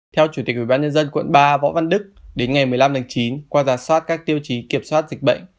theo chủ tịch ubnd quận ba võ văn đức đến ngày một mươi năm tháng chín qua giả soát các tiêu chí kiểm soát dịch bệnh